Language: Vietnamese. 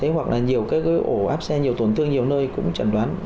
hoặc là nhiều cái ổ áp xe nhiều tổn thương nhiều nơi cũng chẩn đoán